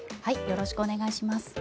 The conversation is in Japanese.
よろしくお願いします。